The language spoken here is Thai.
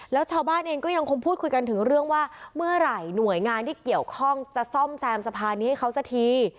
แล้วชาวบ้านเองก็ยังคงพูดคุยกันถึงเรื่องว่าเมื่อไหร่หน่วยงานที่เกี่ยวข้องจะซ่อมแซมสะพานนี้ให้เขาสักที